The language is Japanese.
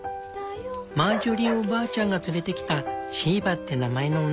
マージョリーおばあちゃんが連れてきたシーバって名前の女の子。